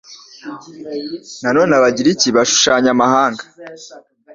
None abo bagiriki bashushanya amahanga,